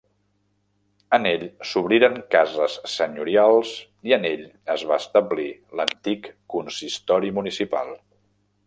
En ell s'obriren cases senyorials i en ell es va establir l'antic consistori municipal.